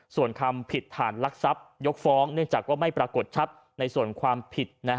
ส่วนความผิดฐานลักทรัพย์ยกฟ้องเนื่องจากว่าไม่ปรากฏชัดในส่วนความผิด